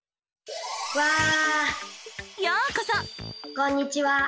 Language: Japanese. こんにちは。